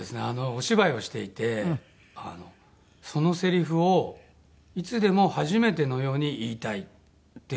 お芝居をしていてそのせりふをいつでも初めてのように言いたいって思うんですね。